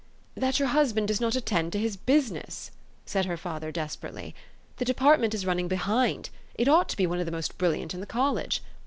'' That your husband does not attend to his busi ness," said her father desperately. "The depart ment is running behind. It ought to be one of the most brilliant in the college.